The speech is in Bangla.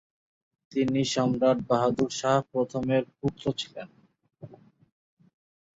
তিনি সম্রাট বাহাদুর শাহ প্রথম এর পুত্র ছিলেন।